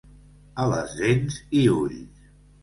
A les dents i ulls.